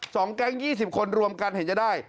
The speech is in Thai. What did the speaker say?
สองแก๊ง๒๐คนรวมค่ะเห็นจะได้